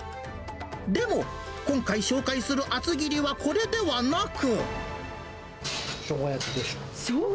でも、今回紹介する厚切りはこれではなく。